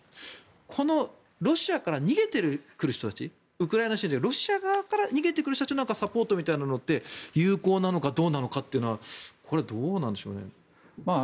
このロシアから逃げてくる人たちロシア側から逃げてくる人たちのサポートみたいなのって有効なのかどうなのかはこれはどうなんでしょうね。